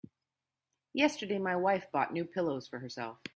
Yesterday my wife bought new pillows for herself.